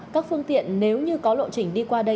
các phương tiện nếu như có lộ trình đi qua đây